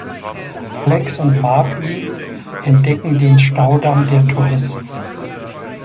Alex und Marty entdecken den Staudamm der Touristen.